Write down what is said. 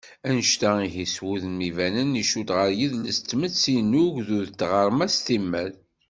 Annect-a ihi, s wudem ibanen, icudd ɣer yidles n tmetti, n ugdud, d tɣerma s timmad.